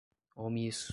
omisso